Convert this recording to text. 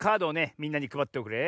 みんなにくばっておくれ。